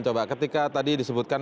coba ketika tadi disebutkan